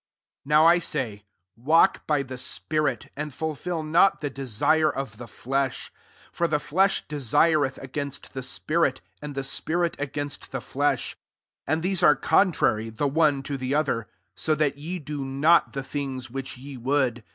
16 Now I say, Walk by the spirit, and fulfil not the desire of the flesh. 17 For the flesh desireth against the spirit, and the spirit against the flesh : and these are contrary the one to the other; so that ye do not the things which ye would.